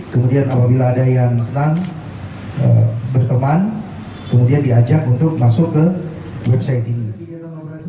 kemudian apabila ada yang senang berteman kemudian diajak untuk masuk ke website ini